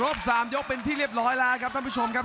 ๓ยกเป็นที่เรียบร้อยแล้วครับท่านผู้ชมครับ